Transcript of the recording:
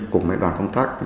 cùng mệnh đoàn công tác